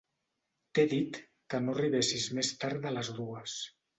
T'he dit que no arribessis més tard de les dues.